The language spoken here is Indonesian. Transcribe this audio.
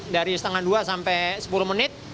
dari setengah dua sampai sepuluh menit